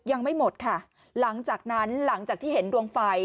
ยังไม่หมดค่ะหลังจากนั้นหลังจากที่เห็นดวงไฟ